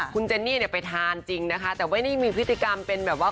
คุณเจนนี่เนี่ยไปทานจริงนะคะแต่ว่านี่มีพฤติกรรมเป็นแบบว่า